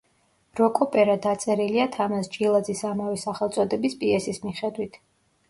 როკ-ოპერა დაწერილია თამაზ ჭილაძის ამავე სახელწოდების პიესის მიხედვით.